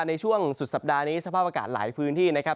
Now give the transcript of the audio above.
ในช่วงสุดสัปดาห์นี้สภาพอากาศหลายพื้นที่นะครับ